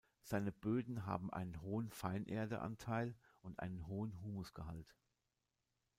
Seine Böden haben einen hohen Feinerdeanteil und einen hohen Humusgehalt.